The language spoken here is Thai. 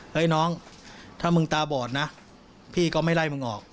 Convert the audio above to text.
น้องถ้ามึงตาบอดนะพี่ก็ไม่ไล่มึงออก